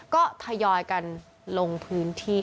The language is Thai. ก็ทยอยกันลงพื้นที่